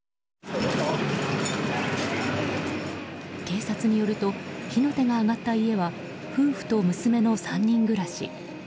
警察によると火の手が上がった家は夫婦と娘の３人暮らし。